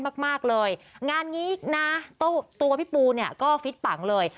มากเลยงานนี้นะตัวพี่ปูเนี่ยก็ฟิตปังเลย